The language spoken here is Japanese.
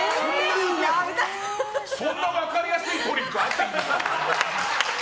そんな分かりやすいトリックあったの？